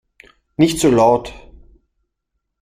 Nicht so laut!